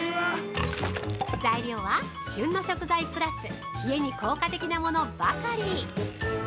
材料は、旬の食材プラス冷えに効果的なものばかり！